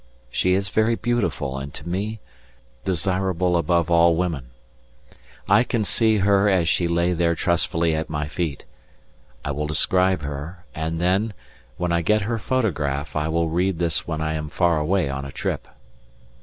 She is very beautiful and to me desirable above all women; I can see her as she lay there trustfully at my feet. I will describe her, and then, when I get her photograph, I will read this when I am far away on a trip.